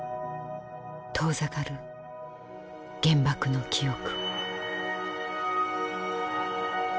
遠ざかる原爆の記憶。